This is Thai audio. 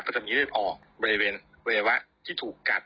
ก็จะมีเลือดออกบริเวณวิวะที่ถูกกัด